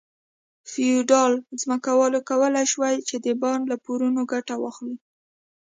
فیوډال ځمکوالو کولای شول چې د بانک له پورونو ګټه واخلي.